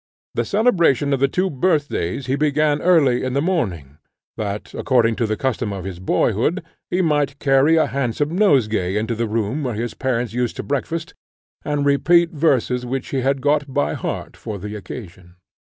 The celebration of the two birth days he began early in the morning, that, according to the custom of his boyhood, he might carry a handsome nosegay into the room where his parents used to breakfast, and repeat verses which he had got by heart for the occasion.